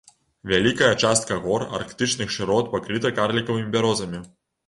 Вялікая частка гор арктычных шырот пакрыта карлікавымі бярозамі.